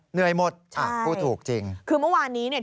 เหนื่อยหมดอ่ะพูดถูกจริงคือเมื่อวานนี้เนี่ย